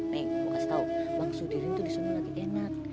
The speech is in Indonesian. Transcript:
nih gua kasih tau bang sudirin tuh disini lagi enak